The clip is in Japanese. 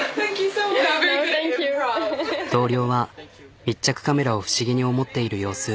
同僚は密着カメラを不思議に思っている様子。